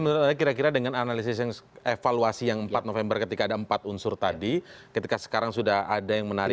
jadi menurut anda kira kira dengan analisis evaluasi yang empat november ketika ada empat unsur tadi ketika sekarang sudah ada yang menarik